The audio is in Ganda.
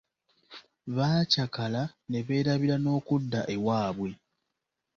Baakyakala ne beerabira n'okudda ewaabwe.